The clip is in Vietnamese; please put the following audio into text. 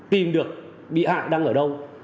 tìm được bị hại đang ở đâu